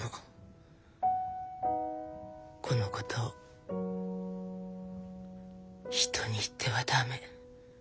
このことを人に言ってはダメ。